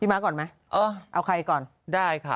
อ้อพี่มาก่อนไหมเอาใครก่อนได้ค่ะ